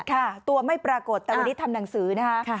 ค่ะตัวไม่ปรากฏแต่วันนี้ทำหนังสือนะคะ